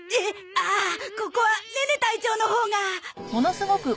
ああここはネネ隊長のほうが。